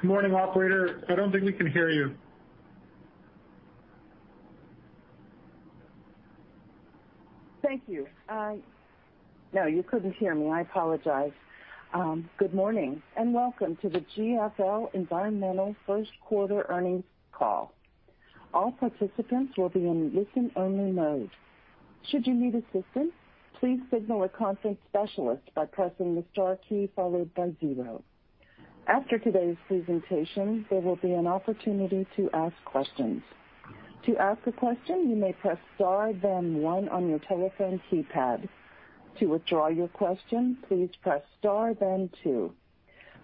Good morning, Operator. I don't think we can hear you. Thank you. No, you couldn't hear me. I apologize. Good morning, and welcome to the GFL Environmental Q1 earnings call. All participants will be in listen-only mode. Should you need assistance, please signal a conference specialist by pressing the star key followed by zero. After today's presentation, there will be an opportunity to ask questions. To ask a question, you may press star then one on your telephone keypad. To withdraw your question, please press star then two.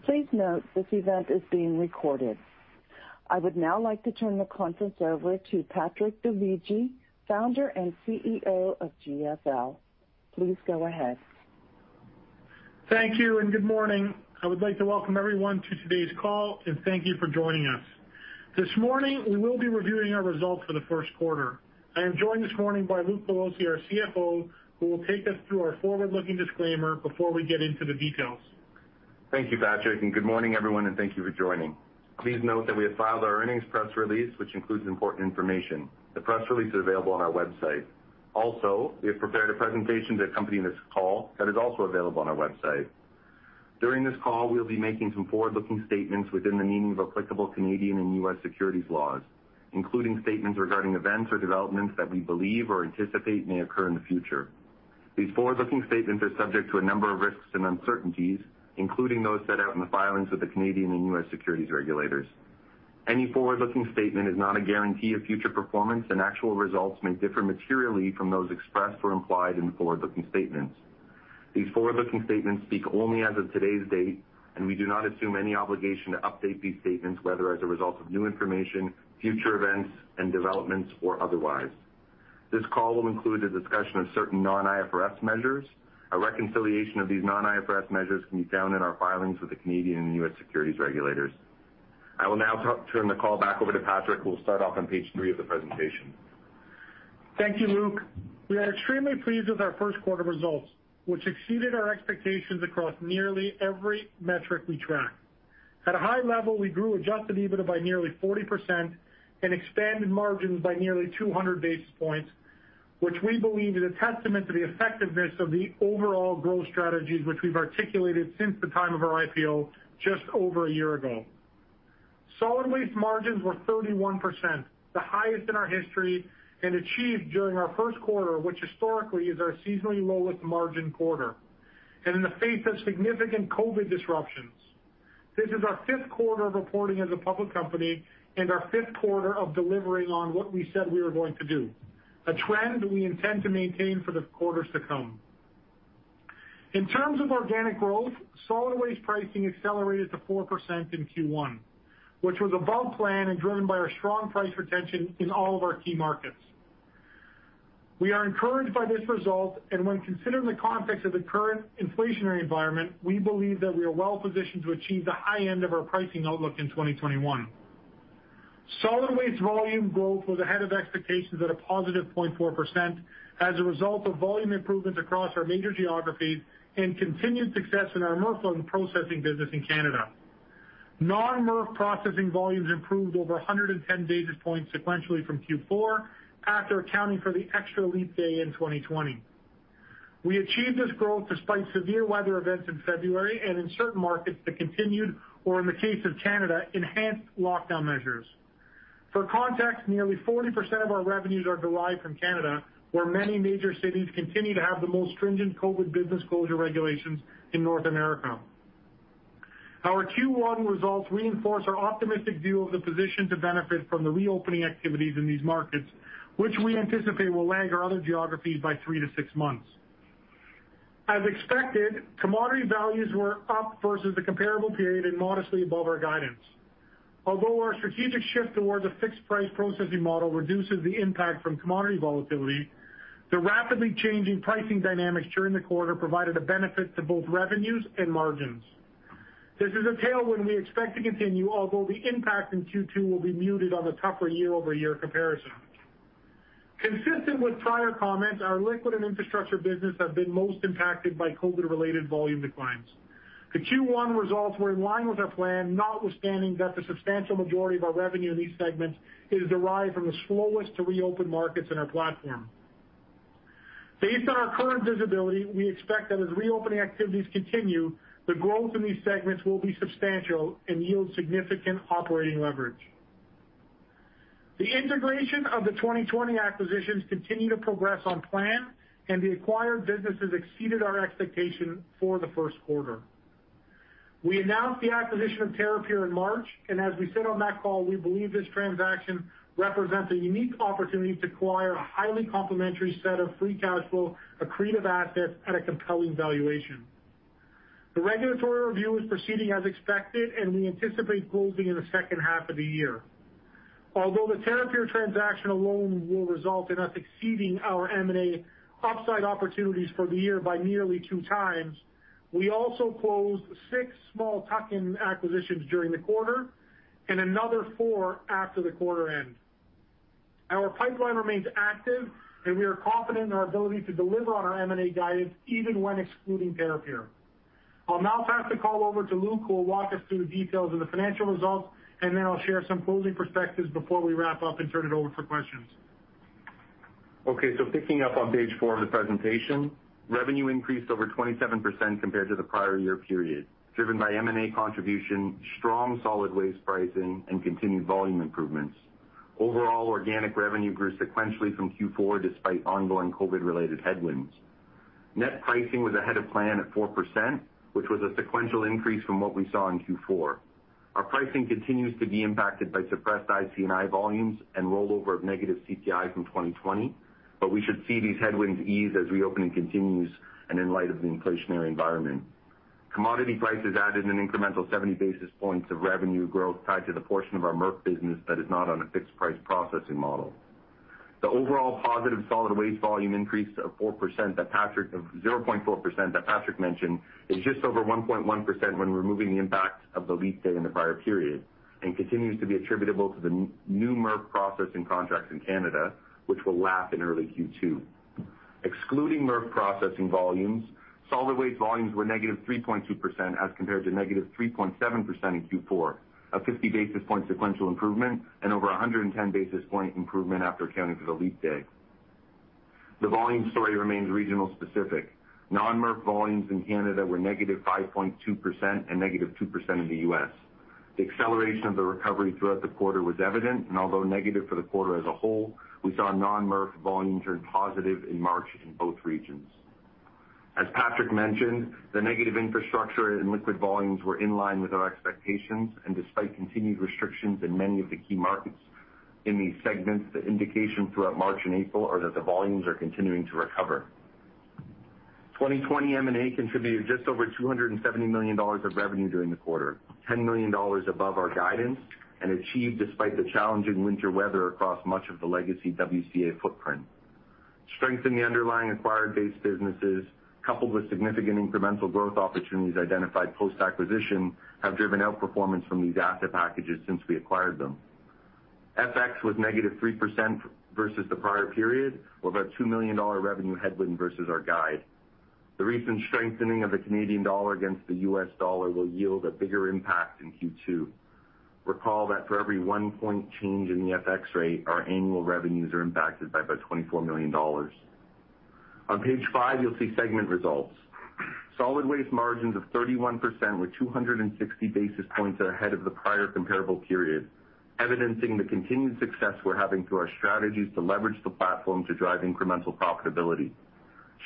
Please note this event is being recorded. I would now like to turn the conference over to Patrick Dovigi, Founder and CEO of GFL. Please go ahead. Thank you. Good morning. I would like to welcome everyone to today's call, and thank you for joining us. This morning, we will be reviewing our results for the Q1. I am joined this morning by Luke Pelosi, our CFO, who will take us through our forward-looking disclaimer before we get into the details. Thank you, Patrick, good morning, everyone, and thank you for joining. Please note that we have filed our earnings press release, which includes important information. The press release is available on our website. We have prepared a presentation to accompany this call that is also available on our website. During this call, we'll be making some forward-looking statements within the meaning of applicable Canadian and U.S. securities laws, including statements regarding events or developments that we believe or anticipate may occur in the future. These forward-looking statements are subject to a number of risks and uncertainties, including those set out in the filings with the Canadian and U.S. securities regulators. Any forward-looking statement is not a guarantee of future performance, and actual results may differ materially from those expressed or implied in the forward-looking statements. These forward-looking statements speak only as of today's date. We do not assume any obligation to update these statements, whether as a result of new information, future events, and developments, or otherwise. This call will include a discussion of certain non-IFRS measures. A reconciliation of these non-IFRS measures can be found in our filings with the Canadian and U.S. securities regulators. I will now turn the call back over to Patrick, who will start off on page three of the presentation. Thank you, Luke. We are extremely pleased with our Q1 results, which exceeded our expectations across nearly every metric we track. At a high level, we grew adjusted EBITDA by nearly 40% and expanded margins by nearly 200 basis points, which we believe is a testament to the effectiveness of the overall growth strategies which we've articulated since the time of our IPO just over a year ago. Solid waste margins were 31%, the highest in our history, and achieved during our Q1, which historically is our seasonally lowest margin quarter, and in the face of significant COVID disruptions. This is our Q5 of reporting as a public company and our Q5 of delivering on what we said we were going to do, a trend we intend to maintain for the quarters to come. In terms of organic growth, solid waste pricing accelerated to 4% in Q1, which was above plan and driven by our strong price retention in all of our key markets. We are encouraged by this result, and when considered in the context of the current inflationary environment, we believe that we are well-positioned to achieve the high end of our pricing outlook in 2021. Solid waste volume growth was ahead of expectations at a positive 0.4% as a result of volume improvements across our major geographies and continued success in our MRF loading processing business in Canada. Non-MRF processing volumes improved over 110 basis points sequentially from Q4 after accounting for the extra leap day in 2020. We achieved this growth despite severe weather events in February and in certain markets that continued, or in the case of Canada, enhanced lockdown measures. For context, nearly 40% of our revenues are derived from Canada, where many major cities continue to have the most stringent COVID business closure regulations in North America. Our Q1 results reinforce our optimistic view of the position to benefit from the reopening activities in these markets, which we anticipate will lag our other geographies by three-six months. As expected, commodity values were up versus the comparable period and modestly above our guidance. Although our strategic shift towards a fixed-price processing model reduces the impact from commodity volatility, the rapidly changing pricing dynamics during the quarter provided a benefit to both revenues and margins. This is a tailwind we expect to continue, although the impact in Q2 will be muted on a tougher year-over-year comparison. Consistent with prior comments, our liquid and infrastructure business have been most impacted by COVID-related volume declines. The Q1 results were in line with our plan, notwithstanding that the substantial majority of our revenue in these segments is derived from the slowest to reopen markets in our platform. Based on our current visibility, we expect that as reopening activities continue, the growth in these segments will be substantial and yield significant operating leverage. The integration of the 2020 acquisitions continue to progress on plan, and the acquired businesses exceeded our expectation for the Q1. We announced the acquisition of Terrapure in March, and as we said on that call, we believe this transaction represents a unique opportunity to acquire a highly complementary set of free cash flow, accretive assets at a compelling valuation. The regulatory review is proceeding as expected, and we anticipate closing in the H2 of the year. Although the Terrapure transaction alone will result in us exceeding our M&A upside opportunities for the year by nearly 2x, we also closed six small tuck-in acquisitions during the quarter and another four after the quarter-end. Our pipeline remains active, and we are confident in our ability to deliver on our M&A guidance even when excluding Terrapure. I'll now pass the call over to Luke, who will walk us through the details of the financial results, and then I'll share some closing perspectives before we wrap up and turn it over for questions. Picking up on page four of the presentation, revenue increased over 27% compared to the prior year period, driven by M&A contribution, strong solid waste pricing, and continued volume improvements. Overall, organic revenue grew sequentially from Q4 despite ongoing COVID-related headwinds. Net pricing was ahead of plan at 4%, which was a sequential increase from what we saw in Q4. Our pricing continues to be impacted by suppressed IC&I volumes and rollover of negative CPI from 2020, we should see these headwinds ease as reopening continues and in light of the inflationary environment. Commodity prices added an incremental 70 basis points of revenue growth tied to the portion of our MRF business that is not on a fixed-price processing model. The overall positive solid waste volume increase of 0.4% that Patrick mentioned is just over 1.1% when removing the impact of the leap day in the prior period and continues to be attributable to the new MRF processing contracts in Canada, which will lap in early Q2. Excluding MRF processing volumes, solid waste volumes were -3.2% as compared to -3.7% in Q4, a 50-basis point sequential improvement and over 110-basis point improvement after accounting for the leap day. The volume story remains regional specific. Non-MRF volumes in Canada were -5.2% and -2% in the U.S. The acceleration of the recovery throughout the quarter was evident, and although negative for the quarter as a whole, we saw non-MRF volumes turn positive in March in both regions. As Patrick mentioned, the negative infrastructure and liquid volumes were in line with our expectations, and despite continued restrictions in many of the key markets in these segments, the indication throughout March and April are that the volumes are continuing to recover. 2020 M&A contributed just over 270 million dollars of revenue during the quarter, 10 million dollars above our guidance and achieved despite the challenging winter weather across much of the legacy WCA footprint. Strength in the underlying acquired base businesses, coupled with significant incremental growth opportunities identified post-acquisition, have driven outperformance from these asset packages since we acquired them. FX was -3% versus the prior period, or about a 2 million dollar revenue headwind versus our guide. The recent strengthening of the Canadian dollar against the US dollar will yield a bigger impact in Q2. Recall that for every one point change in the FX rate, our annual revenues are impacted by about 24 million dollars. On page five, you'll see segment results. Solid waste margins of 31% were 260 basis points ahead of the prior comparable period, evidencing the continued success we're having through our strategies to leverage the platform to drive incremental profitability.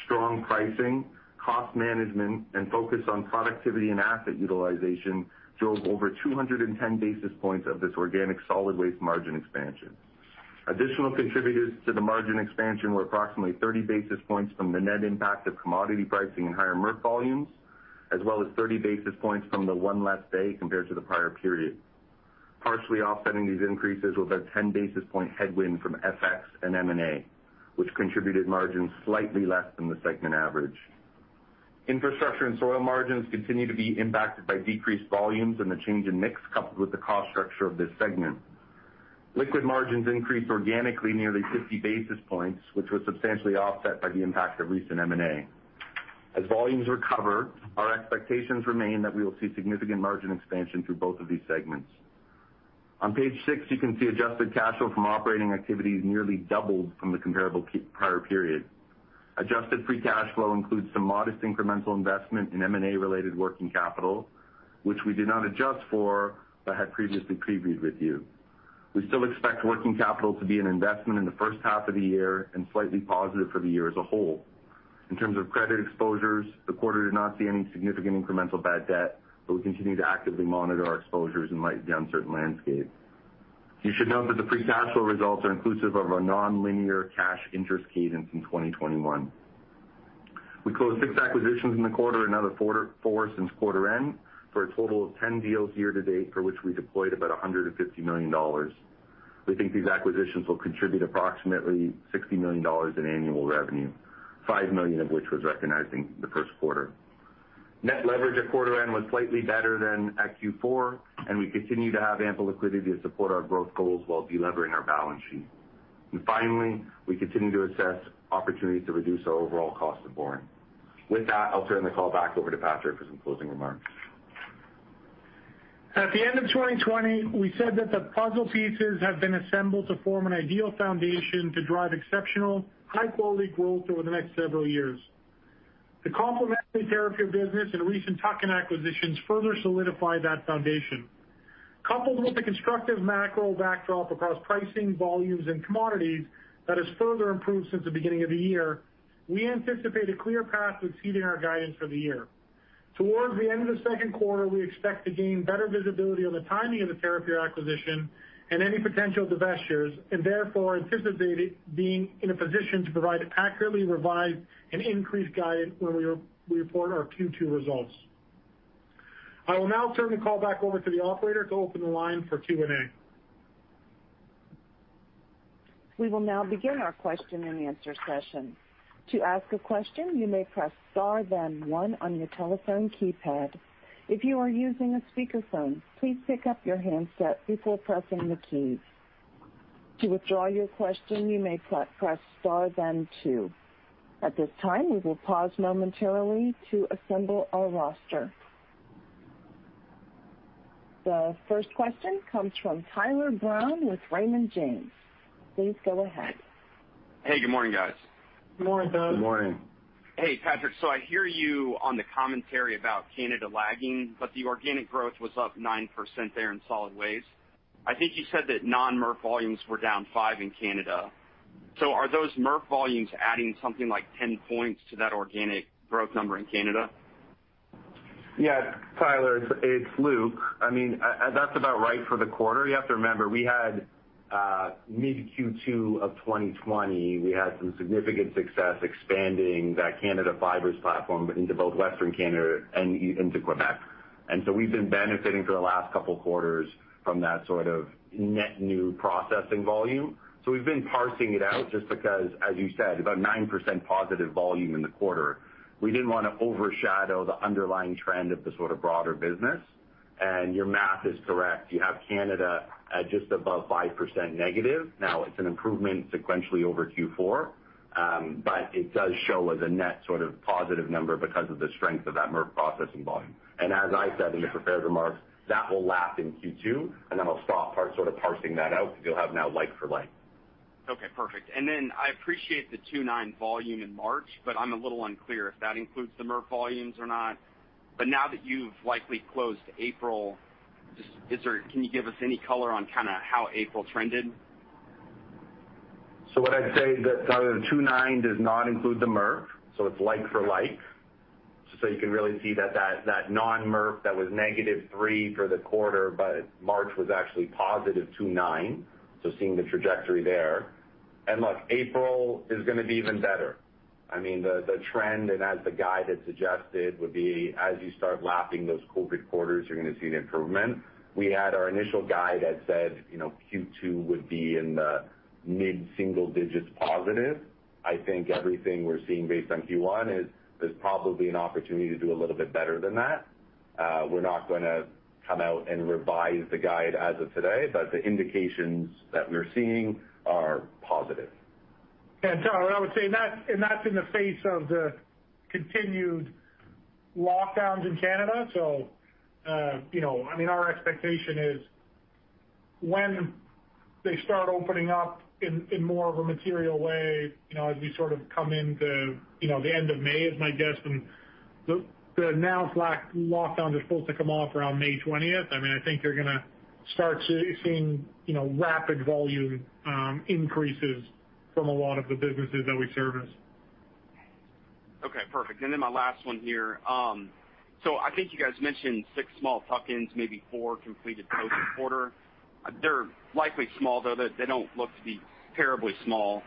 Strong pricing, cost management, and focus on productivity and asset utilization drove over 210 basis points of this organic solid waste margin expansion. Additional contributors to the margin expansion were approximately 30 basis points from the net impact of commodity pricing and higher MRF volumes, as well as 30 basis points from the one less day compared to the prior period. Partially offsetting these increases was a 10-basis point headwind from FX and M&A, which contributed margins slightly less than the segment average. Infrastructure and soil margins continue to be impacted by decreased volumes and the change in mix coupled with the cost structure of this segment. Liquid margins increased organically nearly 50 basis points, which was substantially offset by the impact of recent M&A. As volumes recover, our expectations remain that we will see significant margin expansion through both of these segments. On page six, you can see adjusted cash flow from operating activities nearly doubled from the comparable prior period. Adjusted free cash flow includes some modest incremental investment in M&A-related working capital, which we did not adjust for but had previously previewed with you. We still expect working capital to be an investment in the H1 of the year and slightly positive for the year as a whole. In terms of credit exposures, the quarter did not see any significant incremental bad debt, but we continue to actively monitor our exposures in light of the uncertain landscape. You should note that the free cash flow results are inclusive of a non-linear cash interest cadence in 2021. We closed six acquisitions in the quarter, another four since quarter-end, for a total of 10 deals year to date for which we deployed about 150 million dollars. We think these acquisitions will contribute approximately 60 million dollars in annual revenue, 5 million of which was recognized in the Q1. Net leverage at quarter-end was slightly better than at Q4. We continue to have ample liquidity to support our growth goals while de-levering our balance sheet. Finally, we continue to assess opportunities to reduce our overall cost of borrowing. With that, I'll turn the call back over to Patrick for some closing remarks. At the end of 2020, we said that the puzzle pieces have been assembled to form an ideal foundation to drive exceptional, high-quality growth over the next several years. The complementary Terrapure business and recent tuck-in acquisitions further solidify that foundation. Coupled with the constructive macro backdrop across pricing, volumes, and commodities that has further improved since the beginning of the year, we anticipate a clear path to exceeding our guidance for the year. Towards the end of the Q2, we expect to gain better visibility on the timing of the Terrapure acquisition and any potential divestitures, and therefore anticipate being in a position to provide accurately revised and increased guidance when we report our Q2 results. I will now turn the call back over to the operator to open the line for Q&A. We will now begin our question-and-answer session. To ask a question, you may press star then one on your telephone keypad. If you're using a speakerphone, please pickup your handset before pressing the key. To withdraw your question, you may press star then two. At this time we will pause momentarily to assemble our roster. The first question comes from Tyler Brown with Raymond James. Please go ahead. Hey, good morning, guys. Good morning, Tyler. Good morning. Hey, Patrick. I hear you on the commentary about Canada lagging, but the organic growth was up 9% there in solid waste. I think you said that non-MRF volumes were down five in Canada. Are those MRF volumes adding something like 10 points to that organic growth number in Canada? Yeah, Tyler, it's Luke. That's about right for the quarter. You have to remember, mid-Q2 of 2020, we had some significant success expanding that Canada fibers platform into both Western Canada and into Quebec. We've been benefiting for the last couple of quarters from that sort of net new processing volume. We've been parsing it out just because, as you said, about 9% positive volume in the quarter. We didn't want to overshadow the underlying trend of the sort of broader business, and your math is correct. You have Canada at just above 5% negative. It's an improvement sequentially over Q4, but it does show as a net sort of positive number because of the strength of that MRF processing volume. As I said in the prepared remarks, that will lap in Q2, and then I'll stop sort of parsing that out because you'll have now like for like. Okay, perfect. I appreciate the 2.9 volume in March. I'm a little unclear if that includes the MRF volumes or not. Now that you've likely closed April, can you give us any color on kind of how April trended? What I'd say that the 2.9 does not include the MRF, so it's like for like. You can really see that non-MRF that was -3 for the quarter, but March was actually +2.9, so seeing the trajectory there. Look, April is going to be even better. The trend, as the guide had suggested, would be as you start lapping those COVID quarters, you're going to see an improvement. We had our initial guide had said Q2 would be in the mid-single digits positive. I think everything we're seeing based on Q1 is there's probably an opportunity to do a little bit better than that. We're not going to come out and revise the guide as of today, but the indications that we're seeing are positive. Tyler, I would say, and that's in the face of the continued lockdowns in Canada. Our expectation is when they start opening up in more of a material way, as we sort of come into the end of May is my guess, and the announced lockdown is supposed to come off around May 20th. I think you're going to start seeing rapid volume increases from a lot of the businesses that we service. Okay, perfect. My last one here. I think you guys mentioned six small tuck-ins, maybe four completed post-quarter. They're likely small, though they don't look to be terribly small,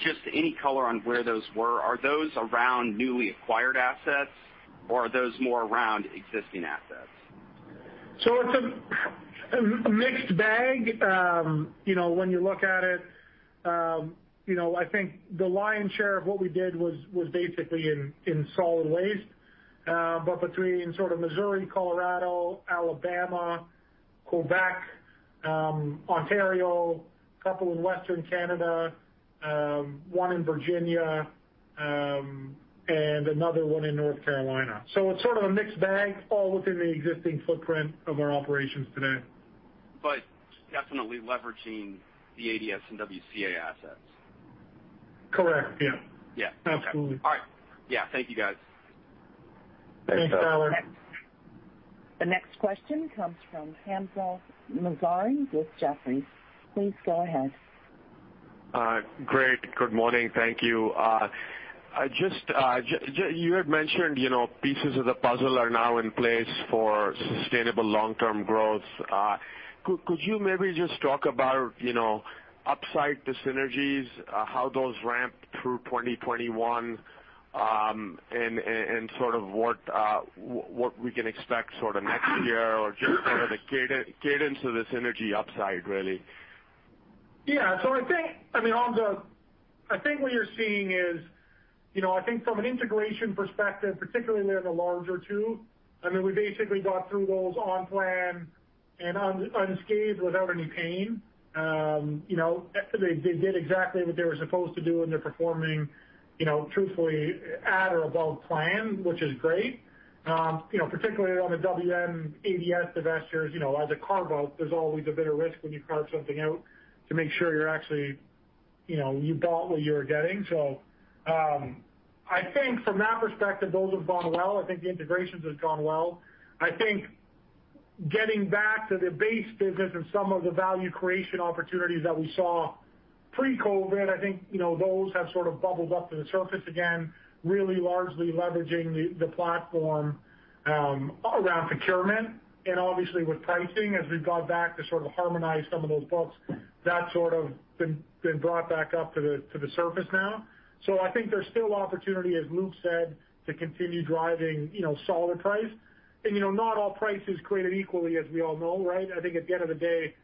just any color on where those were. Are those around newly acquired assets, or are those more around existing assets? It's a mixed bag. When you look at it, I think the lion's share of what we did was basically in solid waste. Between sort of Missouri, Colorado, Alabama, Quebec, Ontario, a couple in Western Canada, one in Virginia, and another one in North Carolina. It's sort of a mixed bag, all within the existing footprint of our operations today. Definitely leveraging the ADS and WCA assets. Correct. Yeah. Yeah. Absolutely. All right. Yeah. Thank you guys. Thanks, Tyler. The next question comes from Hamzah Mazari with Jefferies. Please go ahead. Great. Good morning. Thank you. You had mentioned pieces of the puzzle are now in place for sustainable long-term growth. Could you maybe just talk about upside to synergies, how those ramp through 2021, and sort of what we can expect sort of next year or just sort of the cadence of the synergy upside, really? Yeah. I think what you're seeing is from an integration perspective, particularly in the larger two, we basically got through those on plan and unscathed without any pain. They did exactly what they were supposed to do, and they're performing, truthfully, at or above plan, which is great. Particularly on the WM ADS divestitures, as a carve-out, there's always a bit of risk when you carve something out to make sure you got what you were getting. I think from that perspective, those have gone well. I think the integrations have gone well. I think getting back to the base business and some of the value creation opportunities that we saw pre-COVID, I think those have sort of bubbled up to the surface again, really largely leveraging the platform around procurement and obviously with pricing as we've gone back to sort of harmonize some of those books, that sort of been brought back up to the surface now. I think there's still opportunity, as Luke said, to continue driving solid price. Not all price is created equally, as we all know, right? I think at the end of the day,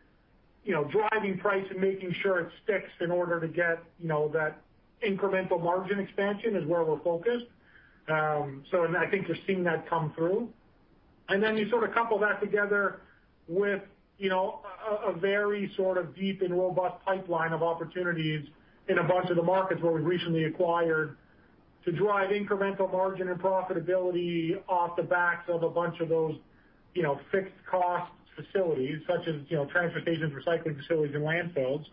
driving price and making sure it sticks in order to get that incremental margin expansion is where we're focused. I think you're seeing that come through. Then you sort of couple that together with a very sort of deep and robust pipeline of opportunities in a bunch of the markets where we recently acquired to drive incremental margin and profitability off the backs of a bunch of those fixed cost facilities, such as transfer stations, recycling facilities, and landfills.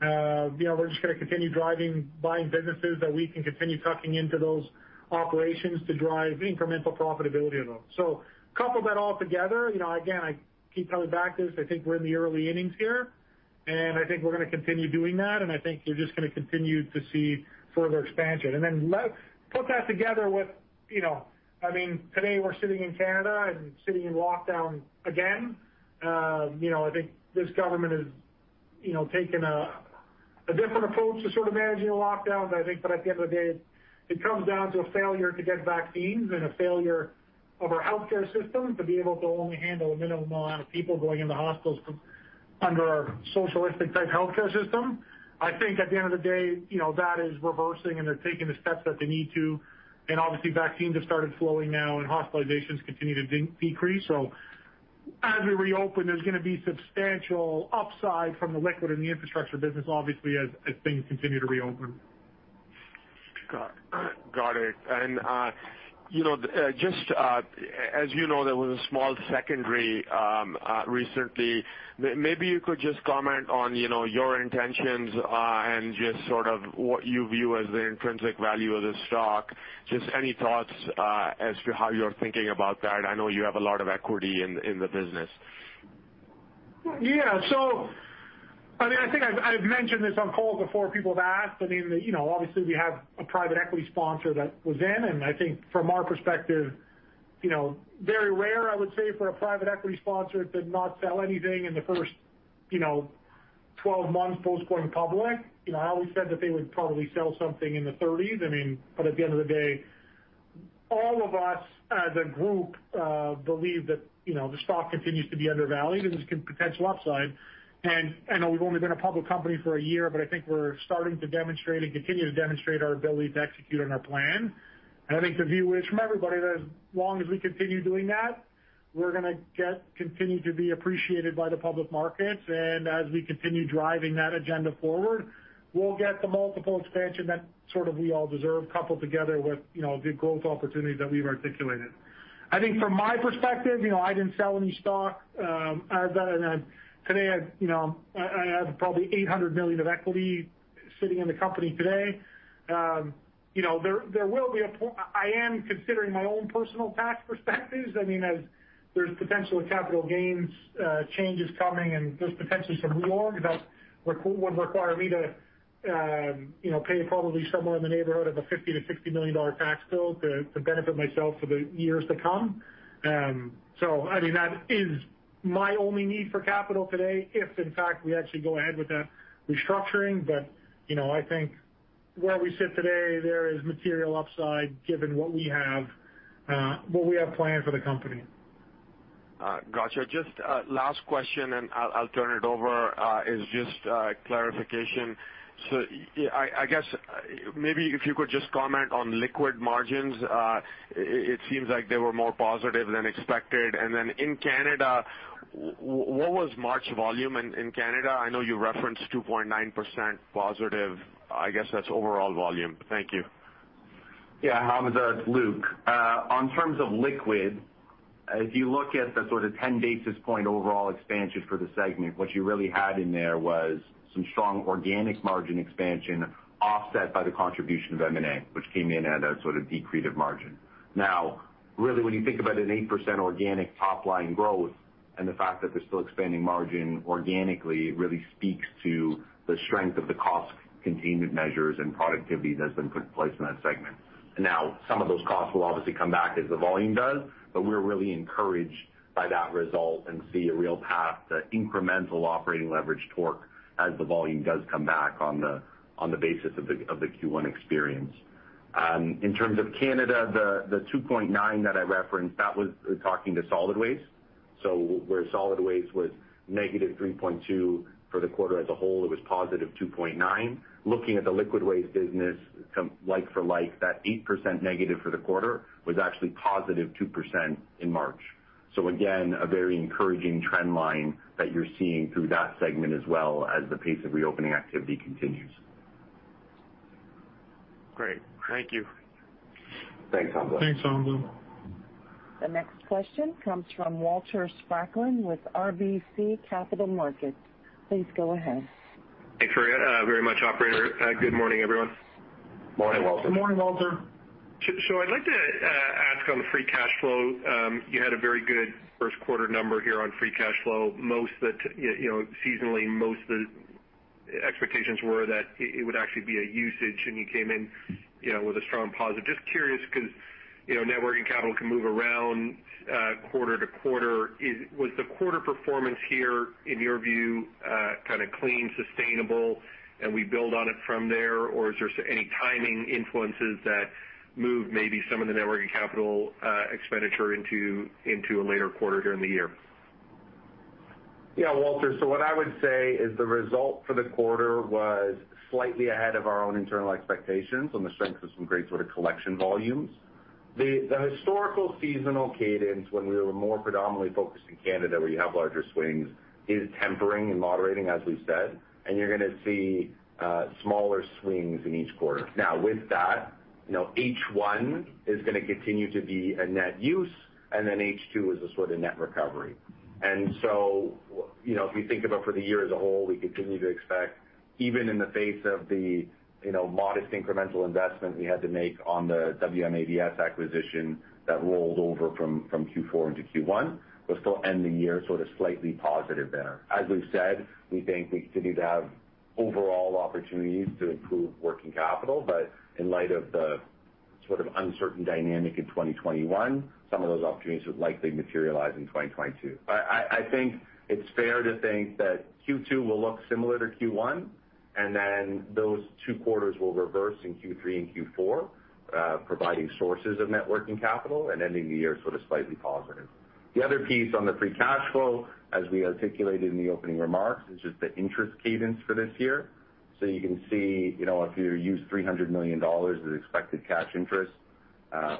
We're just going to continue driving, buying businesses that we can continue tucking into those operations to drive incremental profitability of those. Couple that all together, again, I keep coming back to this, I think we're in the early innings here, I think we're going to continue doing that, I think you're just going to continue to see further expansion. Put that together with Today we're sitting in Canada and sitting in lockdown again. I think this government has taken a different approach to sort of managing the lockdown, but I think that at the end of the day, it comes down to a failure to get vaccines and a failure of our healthcare system to be able to only handle a minimum amount of people going into hospitals under our socialistic-type healthcare system. I think at the end of the day, that is reversing and they're taking the steps that they need to, obviously vaccines have started flowing now and hospitalizations continue to decrease. As we reopen, there's going to be substantial upside from the liquid and the infrastructure business, obviously, as things continue to reopen. Got it. As you know, there was a small secondary recently. Maybe you could just comment on your intentions and just sort of what you view as the intrinsic value of the stock. Just any thoughts as to how you're thinking about that? I know you have a lot of equity in the business. Yeah. I think I've mentioned this on calls before people have asked. Obviously we have a private equity sponsor that was in, and I think from our perspective, very rare, I would say, for a private equity sponsor to not sell anything in the first 12 months post-going public. I always said that they would probably sell something in the 30s, at the end of the day, all of us as a group believe that the stock continues to be undervalued. There's potential upside. I know we've only been a public company for a year, I think we're starting to demonstrate and continue to demonstrate our ability to execute on our plan. I think the view is from everybody that as long as we continue doing that, we're going to continue to be appreciated by the public markets, and as we continue driving that agenda forward, we'll get the multiple expansion that sort of we all deserve, coupled together with the growth opportunities that we've articulated. I think from my perspective, I didn't sell any stock. Today, I have probably 800 million of equity sitting in the company today. I am considering my own personal tax perspectives as there's potentially capital gains changes coming, and there's potentially some reorg that would require me to pay probably somewhere in the neighborhood of a 50 million-60 million dollar tax bill to benefit myself for the years to come. That is my only need for capital today, if in fact we actually go ahead with that restructuring. I think where we sit today, there is material upside given what we have planned for the company. Got you. Just last question, and I'll turn it over, is just clarification. I guess maybe if you could just comment on liquid margins. It seems like they were more positive than expected. In Canada, what was March volume in Canada? I know you referenced 2.9% positive. I guess that's overall volume. Thank you. Yeah, Hamzah, it's Luke. On terms of liquid, if you look at the sort of 10 basis point overall expansion for the segment, what you really had in there was some strong organic margin expansion offset by the contribution of M&A, which came in at a sort of decreative margin. Really, when you think about an 8% organic top-line growth and the fact that they're still expanding margin organically really speaks to the strength of the cost containment measures and productivity that's been put in place in that segment. Some of those costs will obviously come back as the volume does, but we're really encouraged by that result and see a real path to incremental operating leverage torque as the volume does come back on the basis of the Q1 experience. In terms of Canada, the 2.9 that I referenced, that was talking to solid waste. Where solid waste was -3.2% for the quarter as a whole, it was positive 2.9%. Looking at the liquid waste business like for like, that -8% for the quarter was actually positive 2% in March. Again, a very encouraging trend line that you're seeing through that segment as well as the pace of reopening activity continues. Great. Thank you. Thanks, Hamzah. Thanks, Hamzah. The next question comes from Walter Spracklin with RBC Capital Markets. Please go ahead. Thanks very much, operator. Good morning, everyone. Morning, Walter. Morning, Walter. I'd like to ask on the free cash flow. You had a very good Q1 number here on free cash flow. Seasonally, most of the expectations were that it would actually be a usage, and you came in with a strong positive. Just curious because networking capital can move around quarter-to-quarter. Was the quarter performance here, in your view, kind of clean, sustainable? We build on it from there, or is there any timing influences that move maybe some of the net working capital expenditure into a later quarter during the year? Walter, what I would say is the result for the quarter was slightly ahead of our own internal expectations on the strength of some great collection volumes. The historical seasonal cadence when we were more predominantly focused in Canada, where you have larger swings, is tempering and moderating, as we've said, and you're going to see smaller swings in each quarter. With that, H1 is going to continue to be a net use, and then H2 is a sort of net recovery. If we think about for the year as a whole, we continue to expect, even in the face of the modest incremental investment we had to make on the WM/ADS acquisition that rolled over from Q4 into Q1, we'll still end the year slightly positive there. As we've said, we think we continue to have overall opportunities to improve working capital. In light of the uncertain dynamic in 2021, some of those opportunities would likely materialize in 2022. I think it's fair to think that Q2 will look similar to Q1, and then those two quarters will reverse in Q3 and Q4, providing sources of net working capital and the year slightly positive. The other piece on the free cash flow, as we articulated in the opening remarks, is just the interest cadence for this year. You can see, if you use 300 million dollars as expected cash interest,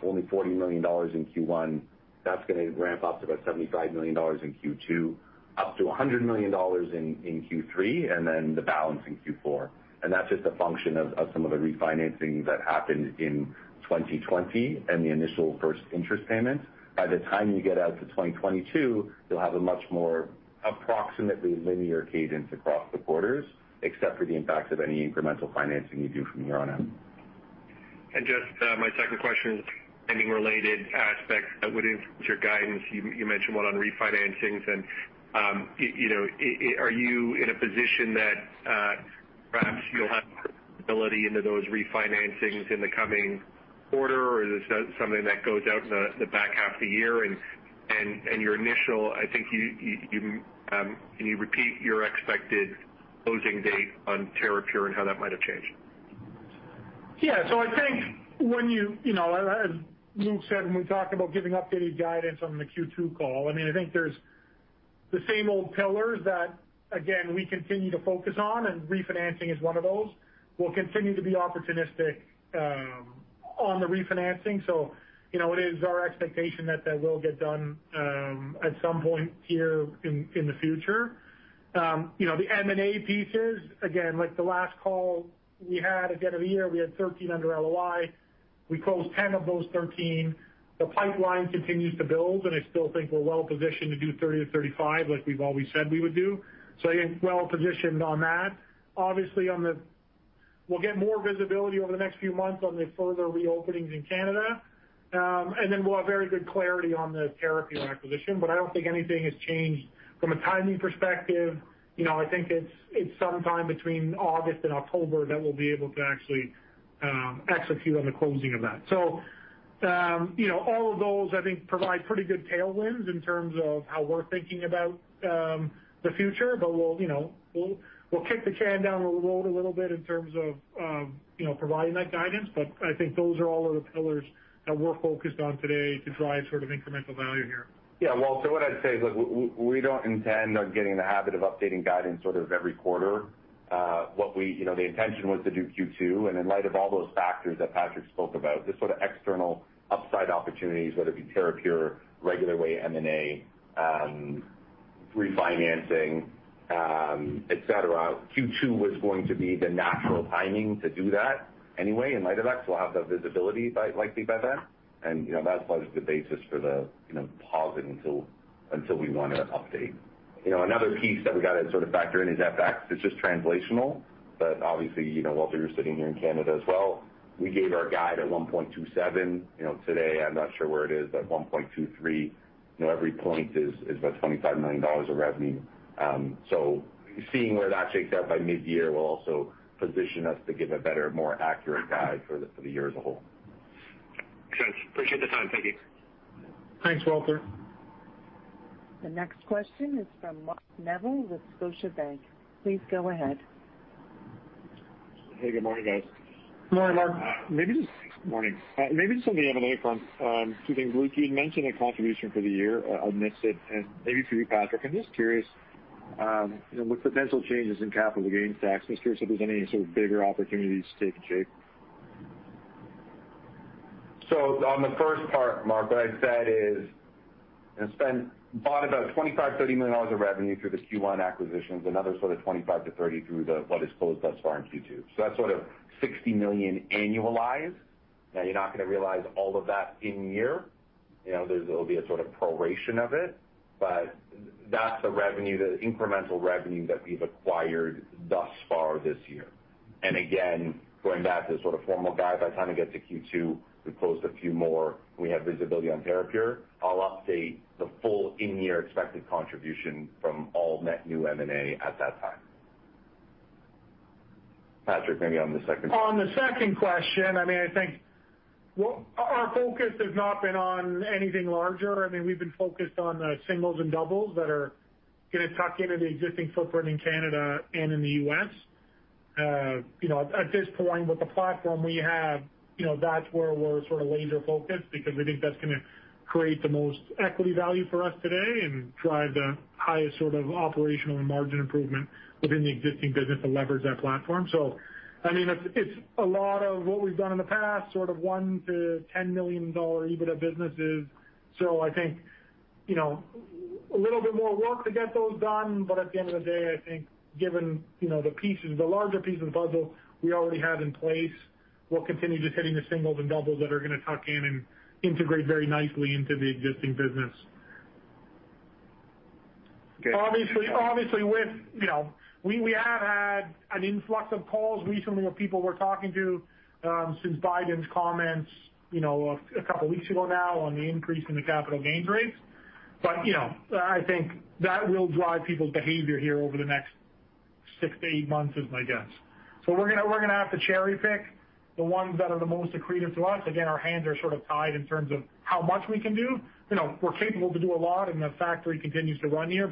only 40 million dollars in Q1, that's going to ramp up to about 75 million dollars in Q2, up to 100 million dollars in Q3, and then the balance in Q4. That's just a function of some of the refinancing that happened in 2020 and the initial first interest payment. By the time you get out to 2022, you'll have a much more approximately linear cadence across the quarters, except for the impacts of any incremental financing you do from here on out. Just my second question is ending related aspects that would influence your guidance. You mentioned one on refinancings and are you in a position that perhaps you'll have visibility into those refinancings in the coming quarter, or is this something that goes out in the back half of the year? Your initial, I think, can you repeat your expected closing date on Terrapure and how that might have changed? Yeah. I think as Luke said when we talked about giving updated guidance on the Q2 call, I think there's the same old pillars that, again, we continue to focus on, and refinancing is one of those. We'll continue to be opportunistic on the refinancing. It is our expectation that that will get done at some point here in the future. The M&A pieces, again, like the last call we had at the end of the year, we had 13 under LOI. We closed 10 of those 13. The pipeline continues to build, and I still think we're well positioned to do 30-35 like we've always said we would do. Again, well positioned on that. Obviously, we'll get more visibility over the next few months on the further reopenings in Canada. Then we'll have very good clarity on the Terrapure acquisition, but I don't think anything has changed from a timing perspective. I think it's sometime between August and October that we'll be able to actually execute on the closing of that. All of those, I think, provide pretty good tailwinds in terms of how we're thinking about the future. We'll kick the can down the road a little bit in terms of providing that guidance. I think those are all of the pillars that we're focused on today to drive incremental value here. What I'd say is, look, we don't intend on getting in the habit of updating guidance every quarter. The intention was to do Q2, in light of all those factors that Patrick Dovigi spoke about, the sort of external upside opportunities, whether it be Terrapure, regular way M&A, refinancing, et cetera, Q2 was going to be the natural timing to do that anyway. In light of that, we'll have the visibility likely by then. That was the basis for the pausing until we want to update. Another piece that we've got to factor in is FX. It's just translational, obviously, Walter Spracklin, you're sitting here in Canada as well. We gave our guide at 1.27. Today, I'm not sure where it is, 1.23. Every point is about 25 million dollars of revenue. Seeing where that shakes out by mid-year will also position us to give a better, more accurate guide for the year as a whole. Makes sense. Appreciate the time. Thank you. Thanks, Walter. The next question is from Mark Neville with Scotiabank. Please go ahead. Hey, good morning, guys. Good morning, Mark. Morning. Maybe just on the M&A front, two things. Luke, you had mentioned a contribution for the year. I missed it. Maybe for you, Patrick, I'm just curious, with potential changes in capital gains tax, I'm just curious if there's any sort of bigger opportunities taking shape. On the first part, Mark, what I'd said is, bought about 25 million dollars, CAD 30 million of revenue through the Q1 acquisitions, another sort of 25 million-30 million through what is closed thus far in Q2. That's sort of 60 million annualized. You're not going to realize all of that in year. There'll be a sort of proration of it, but that's the incremental revenue that we've acquired thus far this year. Again, going back to sort of formal guide, by the time we get to Q2, we've closed a few more. We have visibility on Terrapure. I'll update the full in-year expected contribution from all net new M&A at that time. Patrick, maybe on the second. Well, our focus has not been on anything larger. We've been focused on the singles and doubles that are going to tuck into the existing footprint in Canada and in the U.S. At this point, with the platform we have, that's where we're laser-focused because we think that's going to create the most equity value for us today and drive the highest operational and margin improvement within the existing business to leverage that platform. It's a lot of what we've done in the past, sort of 1 million-10 million dollar EBITDA businesses. I think a little bit more work to get those done. At the end of the day, I think given the larger piece of the puzzle we already have in place, we'll continue just hitting the singles and doubles that are going to tuck in and integrate very nicely into the existing business. Okay. Obviously, we have had an influx of calls recently with people we're talking to since Biden's comments a couple of weeks ago now on the increase in the capital gains rates. I think that will drive people's behavior here over the next six-eight months is my guess. We're going to have to cherry-pick the ones that are the most accretive to us. Again, our hands are sort of tied in terms of how much we can do. We're capable to do a lot, and the factory continues to run here.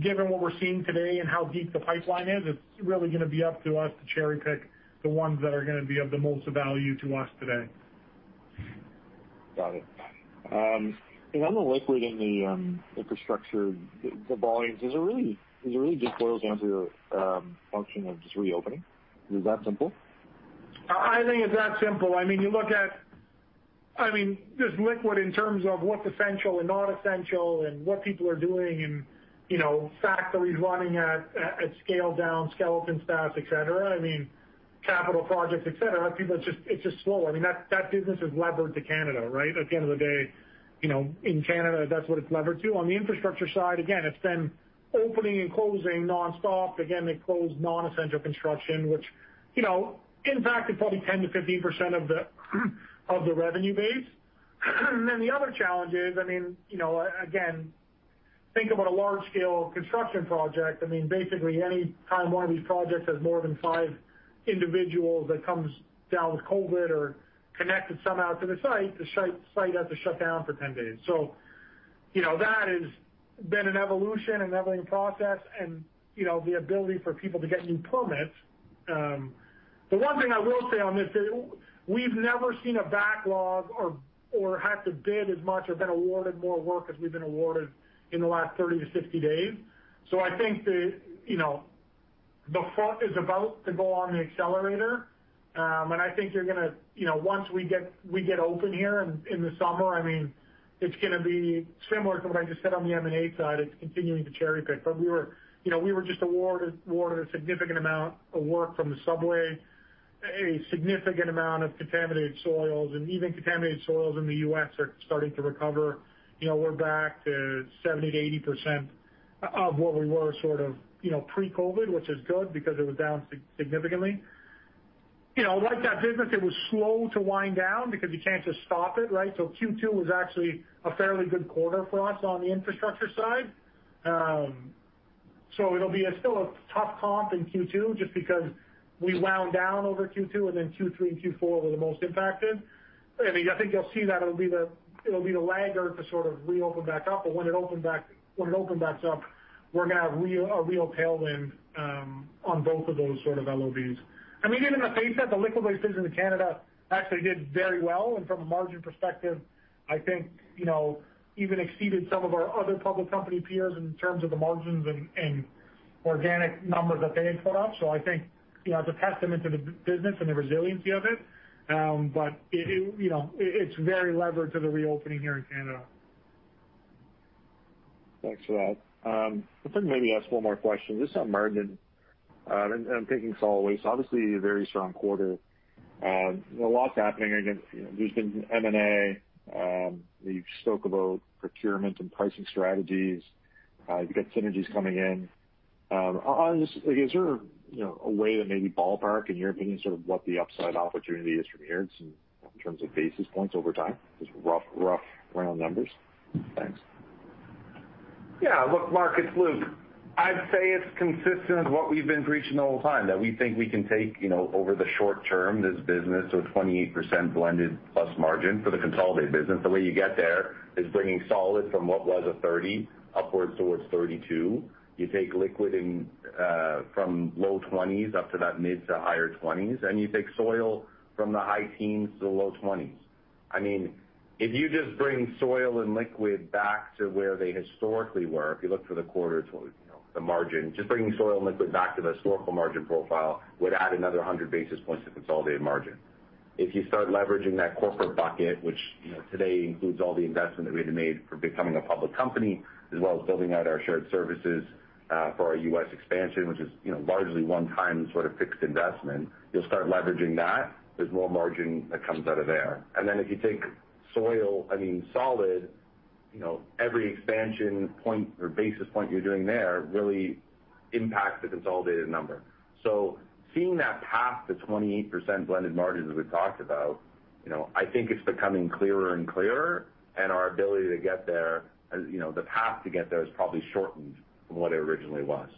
Given what we're seeing today and how deep the pipeline is, it's really going to be up to us to cherry-pick the ones that are going to be of the most value to us today. Got it. On the liquid and the infrastructure, the volumes, does it really just boil down to your function of just reopening? Is it that simple? I think it's that simple. There's lagging in terms of what's essential and non-essential and what people are doing and factories running at scaled down, skeleton staffs, et cetera. Capital projects, et cetera, it's just slow. That business is levered to Canada. At the end of the day, in Canada, that's what it's levered to. On the infrastructure side, it's been opening and closing nonstop. They closed non-essential construction, which impacted probably 10%-15% of the revenue base. The other challenge is, again, think about a large-scale construction project. Basically, any time one of these projects has more than five individuals that comes down with COVID or connected somehow to the site, the site has to shut down for 10 days. That has been an evolution, an evolving process, and the ability for people to get new permits. The one thing I will say on this is we've never seen a backlog or had to bid as much or been awarded more work as we've been awarded in the last 30-60 days. I think the front is about to go on the accelerator, and I think once we get open here in the summer, it's going to be similar to what I just said on the M&A side. It's continuing to cherry-pick. We were just awarded a significant amount of work from the subway, a significant amount of contaminated soils, and even contaminated soils in the U.S. are starting to recover. We're back to 70%-80% of where we were pre-COVID, which is good because it was down significantly. Like that business, it was slow to wind down because you can't just stop it. Q2 was actually a fairly good quarter for us on the infrastructure side. It'll be still a tough comp in Q2 just because we wound down over Q2, and then Q3 and Q4 were the most impacted. I think you'll see that it'll be the lagger to sort of reopen back up. When it opens back up, we're going to have a real tailwind on both of those sort of LOBs. Even in the face of that, the liquid waste business in Canada actually did very well. From a margin perspective, I think even exceeded some of our other public company peers in terms of the margins and organic numbers that they had put up. I think it's a testament to the business and the resiliency of it. It's very levered to the reopening here in Canada. Thanks for that. I'll probably maybe ask one more question, just on margin. I'm thinking solid waste. Obviously, a very strong quarter. A lot's happening. There's been M&A. You've spoke about procurement and pricing strategies. You've got synergies coming in. On this, is there a way to maybe ballpark, in your opinion, sort of what the upside opportunity is from here in terms of basis points over time? Just rough round numbers. Thanks. Look, Mark, it's Luke. I'd say it's consistent with what we've been preaching the whole time, that we think we can take over the short-term this business to a 28% blended plus margin for the consolidated business. The way you get there is bringing solid from what was a 30 upwards towards 32. You take liquid from low 20s up to that mid to higher 20s, you take soil from the high teens to the low 20s. If you just bring soil and liquid back to where they historically were, if you look for the quarter, the margin, just bringing soil and liquid back to the historical margin profile would add another 100 basis points to consolidated margin. If you start leveraging that corporate bucket, which today includes all the investment that we had made for becoming a public company, as well as building out our shared services for our U.S. expansion, which is largely one-time sort of fixed investment, you'll start leveraging that. There's more margin that comes out of there. If you take solid, every expansion point or basis point you're doing there really impacts the consolidated number. Seeing that path to 28% blended margin, as we've talked about. I think it's becoming clearer and clearer, and our ability to get there, the path to get there has probably shortened from what it originally was.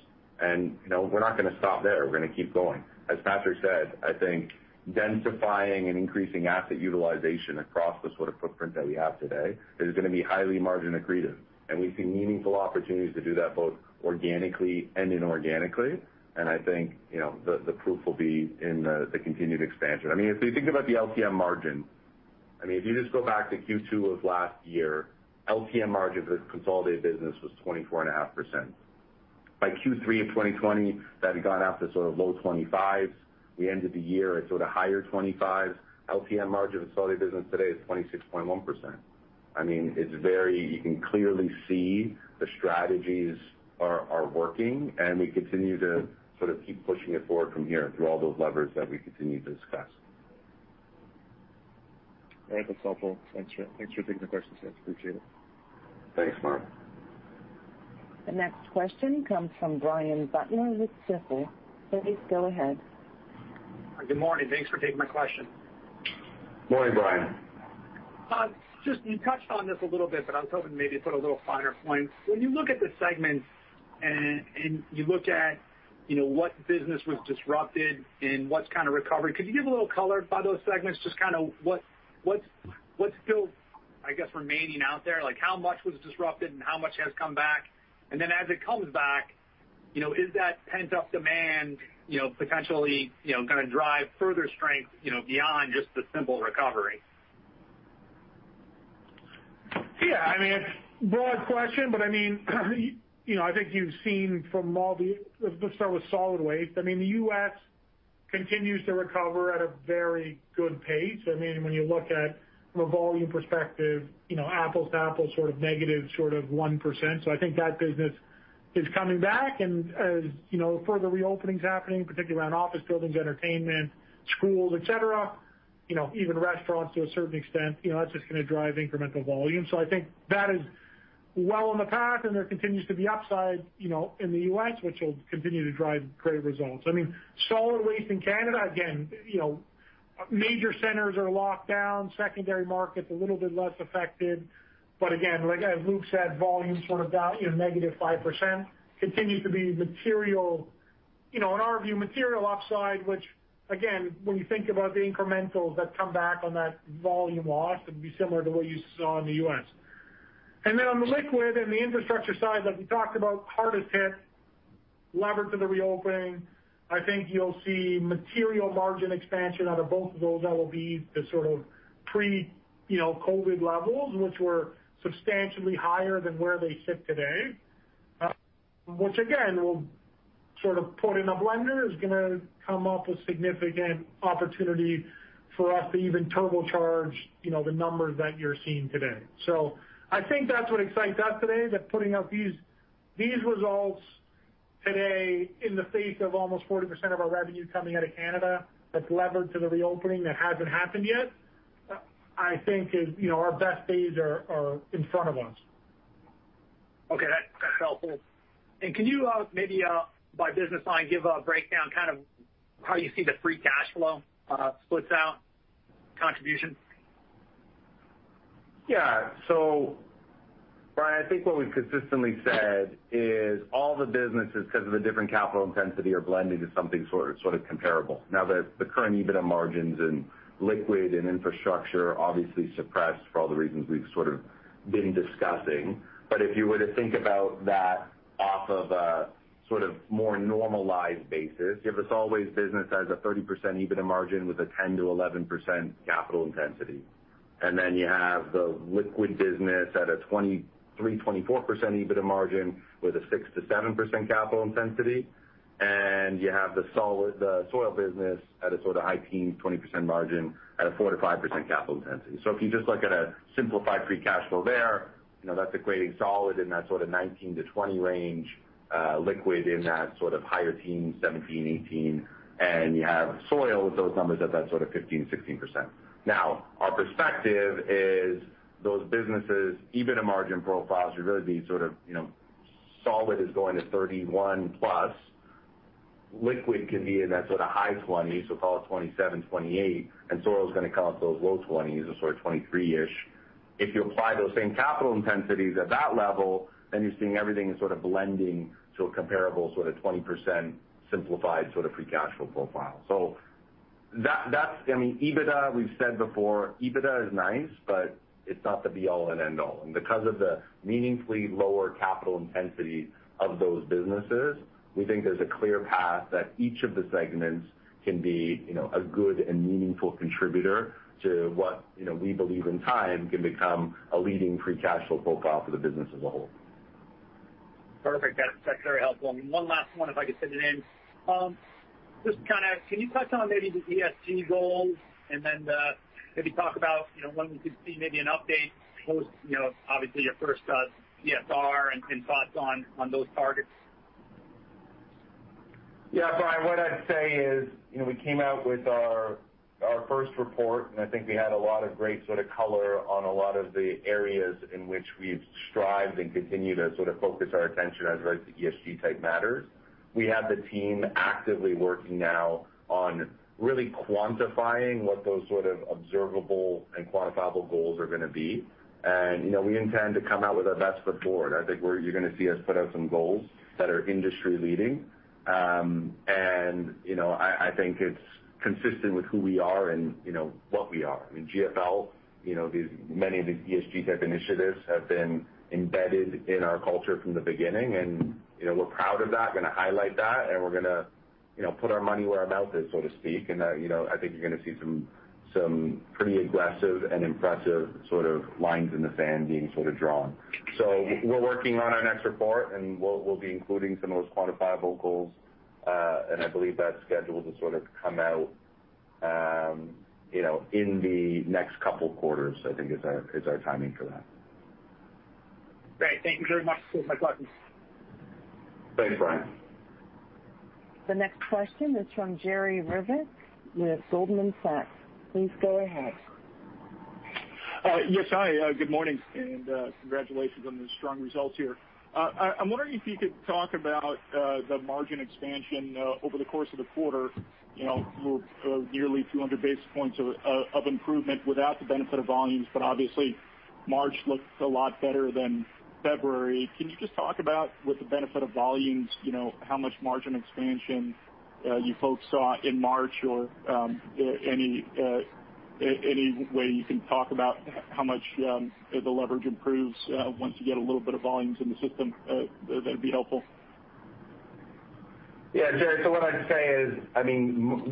We're not going to stop there. We're going to keep going. As Patrick said, I think densifying and increasing asset utilization across the sort of footprint that we have today is going to be highly margin accretive. We see meaningful opportunities to do that both organically and inorganically. I think the proof will be in the continued expansion. If you think about the LTM margin, if you just go back to Q2 of last year, LTM margin for the consolidated business was 24.5%. By Q3 of 2020, that had gone out to sort of low 25%. We ended the year at sort of higher 25%. LTM margin of the consolidated business today is 26.1%. You can clearly see the strategies are working. We continue to sort of keep pushing it forward from here through all those levers that we continue to discuss. All right. That's helpful. Thanks for taking the question, Luke. Appreciate it. Thanks, Mark. The next question comes from Brian Butler with Stifel. Please go ahead. Good morning. Thanks for taking my question. Morning, Brian. You touched on this a little bit. I was hoping to maybe put a little finer point. When you look at the segments and you look at what business was disrupted and what's kind of recovered, could you give a little color by those segments, just kind of what's still, I guess, remaining out there? How much was disrupted, and how much has come back? As it comes back, is that pent-up demand potentially going to drive further strength beyond just the simple recovery? Yeah. It's a broad question, but I think you've seen from. Let's start with solid waste. The U.S. continues to recover at a very good pace. When you look at, from a volume perspective, apples to apples, sort of negative 1%. I think that business is coming back and as further reopenings happening, particularly around office buildings, entertainment, schools, et cetera, even restaurants to a certain extent, that's just going to drive incremental volume. I think that is well on the path, and there continues to be upside in the U.S., which will continue to drive great results. Solid waste in Canada, again, major centers are locked down, secondary markets a little bit less affected. Again, like as Luke said, volume sort of down negative 5%, continues to be, in our view, material upside, which again, when you think about the incrementals that come back on that volume loss, it'd be similar to what you saw in the U.S. Then on the liquid and the infrastructure side that we talked about, hardest hit, levered to the reopening. I think you'll see material margin expansion out of both of those that will be the sort of pre-COVID levels, which were substantially higher than where they sit today. Again, we'll sort of put in a blender, is going to come up with significant opportunity for us to even turbocharge the numbers that you're seeing today. I think that's what excites us today, that putting up these results today in the face of almost 40% of our revenue coming out of Canada that's levered to the reopening that hasn't happened yet, I think our best days are in front of us. Okay. That's helpful. Can you maybe by business line give a breakdown kind of how you see the free cash flow splits out contribution? Brian, I think what we've consistently said is all the businesses, because of the different capital intensity, are blending to something sort of comparable. The current EBITDA margins in liquid and infrastructure are obviously suppressed for all the reasons we've sort of been discussing. If you were to think about that off of a sort of more normalized basis, you have the solid waste business that has a 30% EBITDA margin with a 10%-11% capital intensity. You have the liquid business at a 23%-24% EBITDA margin with a 6%-7% capital intensity. You have the soil business at a sort of high teens, 20% margin at a 4%-5% capital intensity. If you just look at a simplified free cash flow there, that's equating solid in that sort of 19-20 range, liquid in that sort of higher teens, 17, 18, and you have soil with those numbers at that sort of 15%-16%. Our perspective is those businesses' EBITDA margin profiles should really be sort of solid is going to 31+, liquid can be in that sort of high 20s, so call it 27, 28, and soil's going to come up to those low 20s, so sort of 23-ish. If you apply those same capital intensities at that level, then you're seeing everything as sort of blending to a comparable sort of 20% simplified sort of free cash flow profile. EBITDA, we've said before, EBITDA is nice, but it's not the be-all and end-all. Because of the meaningfully lower capital intensity of those businesses, we think there's a clear path that each of the segments can be a good and meaningful contributor to what we believe in time can become a leading free cash flow profile for the business as a whole. Perfect. That's very helpful. One last one if I could fit it in. Just kind of can you touch on maybe the ESG goals and then maybe talk about when we could see maybe an update post obviously your first CSR and thoughts on those targets? Yeah, Brian Butler, what I'd say is we came out with our first report, I think we had a lot of great sort of color on a lot of the areas in which we've strived and continue to sort of focus our attention as it relates to ESG type matters. We have the team actively working now on really quantifying what those sort of observable and quantifiable goals are going to be. We intend to come out with our best foot forward. I think you're going to see us put out some goals that are industry leading. I think it's consistent with who we are and what we are. I mean, GFL, many of the ESG type initiatives have been embedded in our culture from the beginning, and we're proud of that, going to highlight that, and we're going to put our money where our mouth is, so to speak. I think you're going to see some pretty aggressive and impressive lines in the sand being drawn. We're working on our next report, and we'll be including some of those quantifiable goals. I believe that's scheduled to come out in the next couple of quarters, I think is our timing for that. Great. Thank you very much. My pleasure. Thanks, Brian. The next question is from Jerry Revich with Goldman Sachs. Please go ahead. Yes. Hi, good morning. Congratulations on the strong results here. I'm wondering if you could talk about the margin expansion over the course of the quarter, nearly 200 basis points of improvement without the benefit of volumes. Obviously March looks a lot better than February. Can you just talk about with the benefit of volumes, how much margin expansion you folks saw in March? Any way you can talk about how much the leverage improves once you get a little bit of volumes in the system? That'd be helpful. Yeah. Jerry, what I'd say is,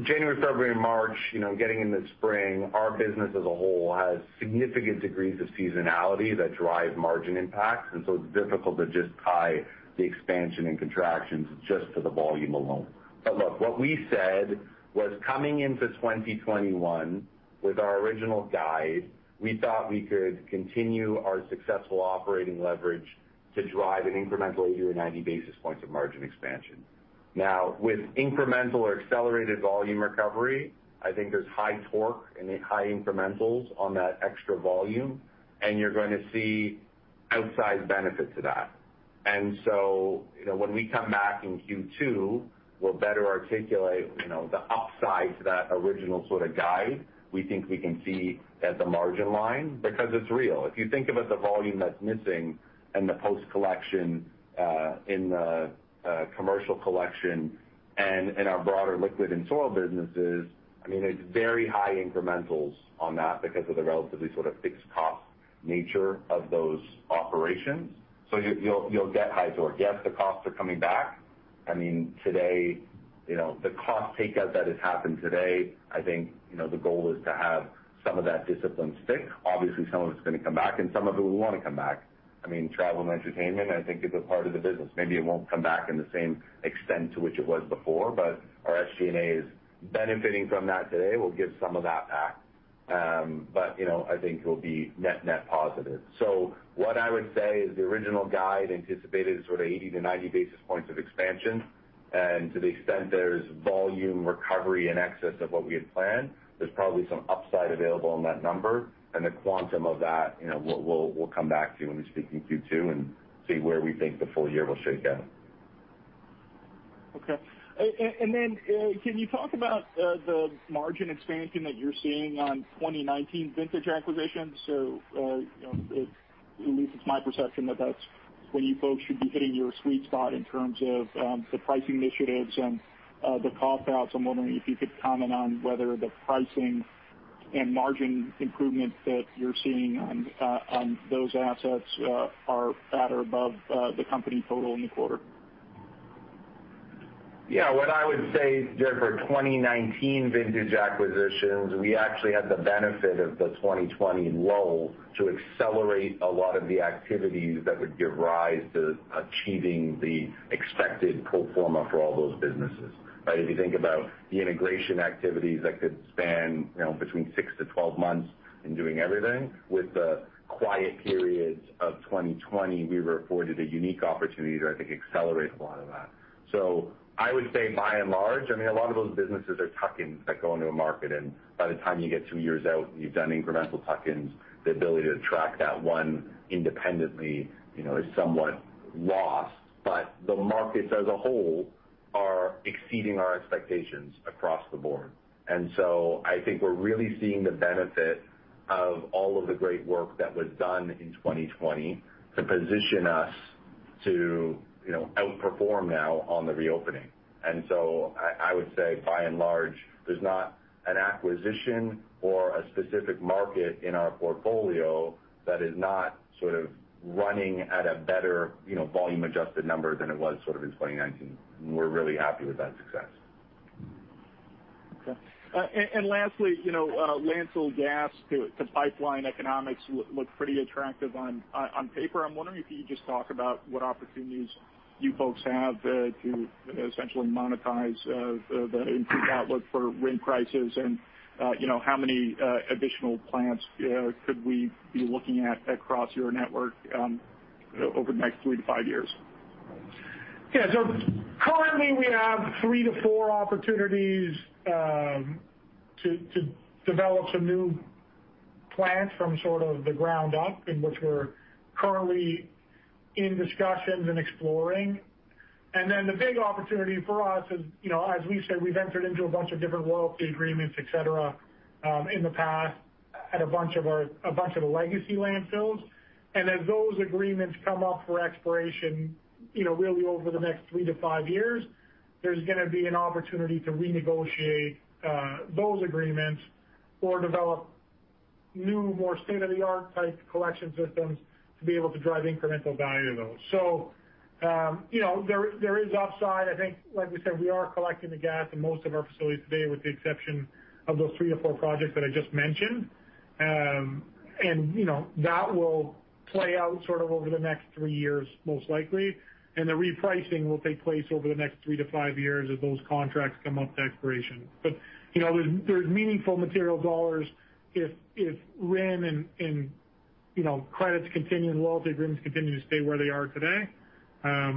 January, February, and March, getting into spring, our business as a whole has significant degrees of seasonality that drive margin impacts. It's difficult to just tie the expansion and contractions just to the volume alone. Look, what we said was coming into 2021 with our original guide, we thought we could continue our successful operating leverage to drive an incremental 80 or 90 basis points of margin expansion. Now, with incremental or accelerated volume recovery, I think there's high torque and high incrementals on that extra volume, and you're going to see outsized benefit to that. When we come back in Q2, we'll better articulate the upside to that original sort of guide we think we can see at the margin line, because it's real. If you think about the volume that's missing and the post collection in the commercial collection and in our broader liquid and soil businesses, it's very high incrementals on that because of the relatively fixed cost nature of those operations. You'll get high torque. Yes, the costs are coming back. The cost takeout that has happened today, I think, the goal is to have some of that discipline stick. Obviously, some of it's going to come back, and some of it we want to come back. Travel and entertainment, I think is a part of the business. Maybe it won't come back in the same extent to which it was before, but our SG&A is benefiting from that today. We'll give some of that back. I think it will be net positive. What I would say is the original guide anticipated sort of 80-90 basis points of expansion. To the extent there's volume recovery in excess of what we had planned, there's probably some upside available on that number. The quantum of that, we'll come back to when we speak in Q2 and see where we think the full-year will shake out. Okay. Can you talk about the margin expansion that you're seeing on 2019 vintage acquisitions? At least it's my perception that that's when you folks should be hitting your sweet spot in terms of the price initiatives and the cost outs. I'm wondering if you could comment on whether the pricing and margin improvements that you're seeing on those assets are at or above the company total in the quarter. What I would say, Jerry, for 2019 vintage acquisitions, we actually had the benefit of the 2020 lull to accelerate a lot of the activities that would give rise to achieving the expected pro forma for all those businesses, right? If you think about the integration activities that could span between six-12 months in doing everything with the quiet periods of 2020, we were afforded a unique opportunity to, I think, accelerate a lot of that. I would say by and large, a lot of those businesses are tuck-ins that go into a market, and by the time you get two years out and you've done incremental tuck-ins, the ability to track that one independently is somewhat lost. The markets as a whole are exceeding our expectations across the board. I think we're really seeing the benefit of all of the great work that was done in 2020 to position us to outperform now on the reopening. I would say by and large, there's not an acquisition or a specific market in our portfolio that is not sort of running at a better volume adjusted number than it was in 2019. We're really happy with that success. Okay. Lastly, Landfill gas-to-pipeline economics look pretty attractive on paper. I'm wondering if you could just talk about what opportunities you folks have to essentially monetize the improved outlook for RIN prices and how many additional plants could we be looking at across your network over the next three-five years? Yeah. Currently we have three-four opportunities to develop some new. plants from sort of the ground up, in which we're currently in discussions and exploring. The big opportunity for us is, as we said, we've entered into a bunch of different royalty agreements, et cetera, in the past at a bunch of the legacy landfills. As those agreements come up for expiration, really over the next three-five years, there's going to be an opportunity to renegotiate those agreements or develop new, more state-of-the-art type collection systems to be able to drive incremental value to those. There is upside. I think, like we said, we are collecting the gas in most of our facilities today, with the exception of those three-four projects that I just mentioned. That will play out over the next three years most likely, and the repricing will take place over the next three-five years as those contracts come up to expiration. There's meaningful material CAD if RIN and credits continue, and royalty agreements continue to stay where they are today.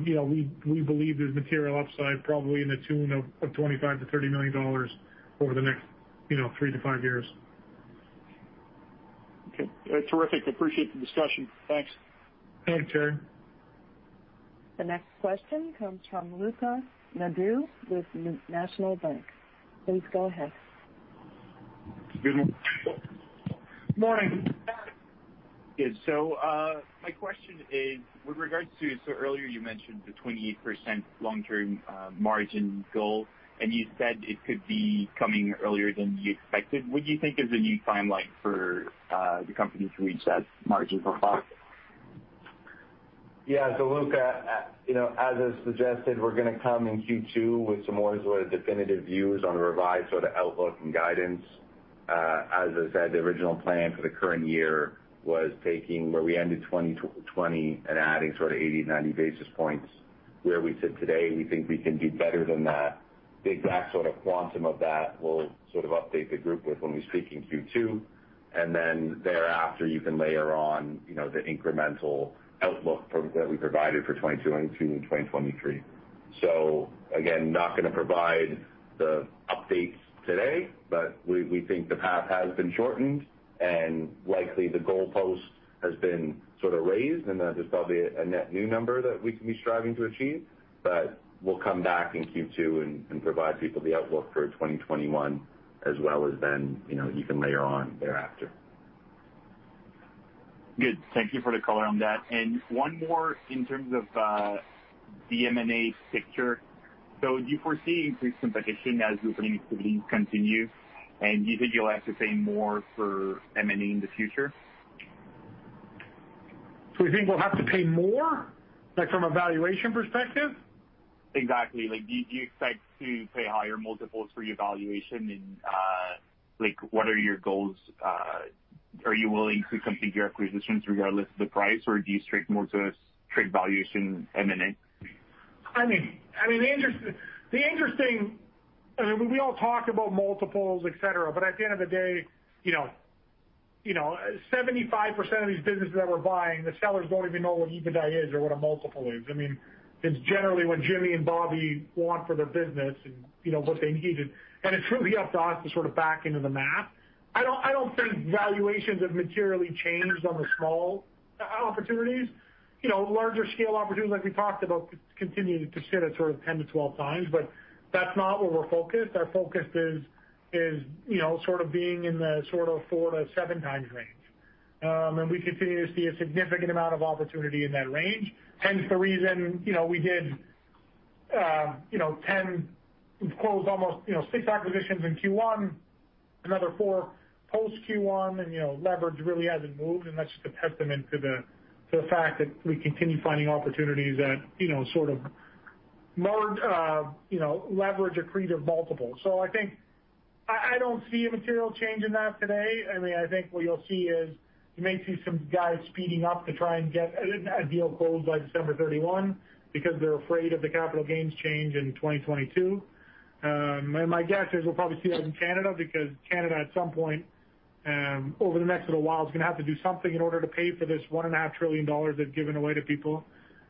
We believe there's material upside probably in the tune of 25 million-30 million dollars over the next three-five years. Okay. Terrific. Appreciate the discussion. Thanks. Thanks, Jerry. The next question comes from Rupert Merer with National Bank. Please go ahead. Good morning. Morning. Good. My question is with regards to, so earlier you mentioned the 28% long-term margin goal, and you said it could be coming earlier than you expected. What do you think is a new timeline for the company to reach that margin profile? Look, as I suggested, we're going to come in Q2 with some more definitive views on the revised outlook and guidance. As I said, the original plan for the current year was taking where we ended 2020 and adding 80-90 basis points. Where we sit today, we think we can do better than that. The exact quantum of that we'll update the group with when we speak in Q2, and then thereafter you can layer on the incremental outlook that we provided for 2022 and 2023. Again, not going to provide the updates today, but we think the path has been shortened and likely the goalpost has been raised and there's probably a net new number that we can be striving to achieve. But we'll come back in Q2 and provide people the outlook for 2021 as well as then you can layer on thereafter. Good. Thank you for the color on that. One more in terms of the M&A picture. Do you foresee increased competition as these things continue, and do you think you'll have to pay more for M&A in the future? We think we'll have to pay more? Like from a valuation perspective? Exactly. Do you expect to pay higher multiples for your valuation and what are your goals? Are you willing to complete your acquisitions regardless of the price or do you stick more to a strict valuation M&A? We all talk about multiples, et cetera, but at the end of the day, 75% of these businesses that we're buying, the sellers don't even know what EBITDA is or what a multiple is. It's generally what Jimmy and Bobby want for their business and what they needed, and it's really up to us to sort of back into the math. I don't think valuations have materially changed on the small opportunities. Larger scale opportunities, like we talked about, continue to sit at sort of 10x-12x, but that's not where we're focused. Our focus is being in the 4x-7x range. We continue to see a significant amount of opportunity in that range, hence the reason we did 10. We've closed almost six acquisitions in Q1, another four post Q1, and leverage really hasn't moved, and that's a testament to the fact that we continue finding opportunities that leverage accretive multiples. I think I don't see a material change in that today. I think what you'll see is you may see some guys speeding up to try and get a deal closed by December 31 because they're afraid of the capital gains change in 2022. My guess is we'll probably see that in Canada because Canada, at some point over the next little while, is going to have to do something in order to pay for this 1.5 trillion dollars they've given away to people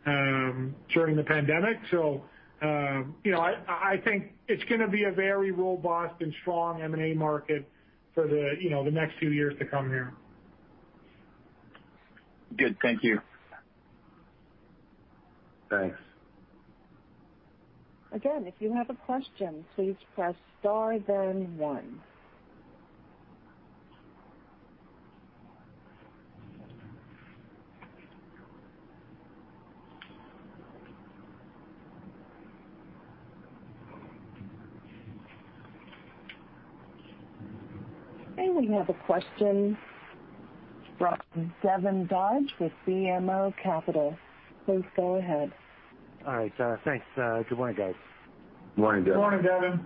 during the pandemic. I think it's going to be a very robust and strong M&A market for the next few years to come here. Good. Thank you. Thanks. Again, if you have a question, please press star then one. We have a question from Devin Dodge with BMO Capital. Please go ahead. All right. Thanks. Good morning, guys. Morning, Devin. Morning, Devin.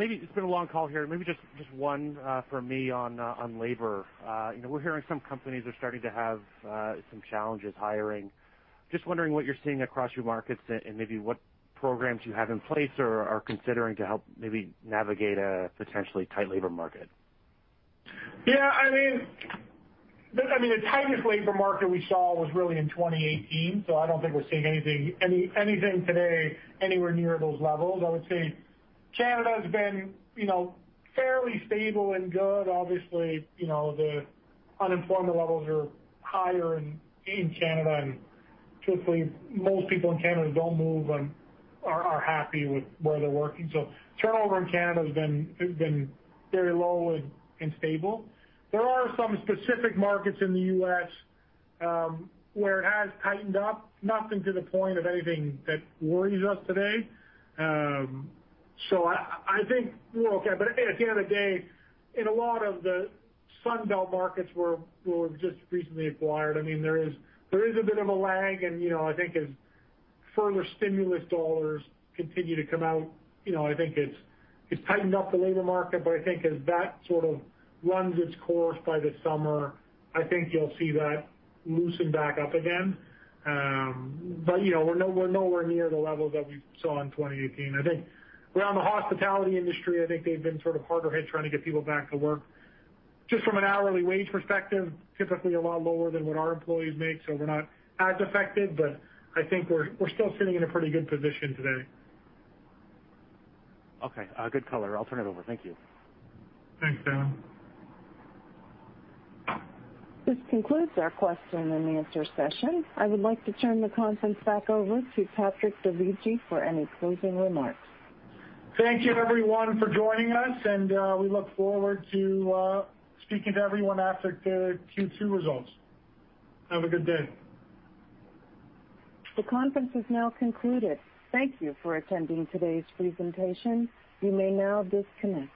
It's been a long call here. Maybe just one from me on labor. We're hearing some companies are starting to have some challenges hiring. Just wondering what you're seeing across your markets and maybe what programs you have in place or are considering to help maybe navigate a potentially tight labor market. Yeah. The tightest labor market we saw was really in 2018, so I don't think we're seeing anything today anywhere near those levels. I would say Canada's been fairly stable and good. Obviously, the unemployment levels are higher in Canada, and truthfully, most people in Canada don't move and are happy with where they're working. Turnover in Canada has been very low and stable. There are some specific markets in the U.S. where it has tightened up. Nothing to the point of anything that worries us today. I think we're okay. At the end of the day, in a lot of the Sun Belt markets we've just recently acquired, there is a bit of a lag, and I think as further stimulus dollars continue to come out, I think it's tightened up the labor market, but I think as that runs its course by the summer, I think you'll see that loosen back up again. We're nowhere near the levels that we saw in 2018. Around the hospitality industry, I think they've been harder hit trying to get people back to work. Just from an hourly wage perspective, typically a lot lower than what our employees make, so we're not as affected, but I think we're still sitting in a pretty good position today. Okay. Good color. I'll turn it over. Thank you. Thanks, Devin. This concludes our question and answer session. I would like to turn the conference back over to Patrick Dovigi for any closing remarks. Thank you everyone for joining us, and we look forward to speaking to everyone after the Q2 results. Have a good day. The conference is now concluded. Thank you for attending today's presentation. You may now disconnect.